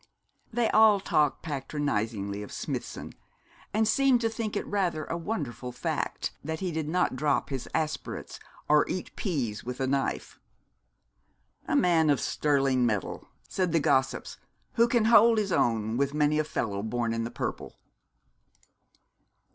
They all talked patronisingly of Smithson, and seemed to think it rather a wonderful fact that he did not drop his aspirates or eat peas with a knife. 'A man of stirling metal,' said the gossips, 'who can hold his own with many a fellow born in the purple.'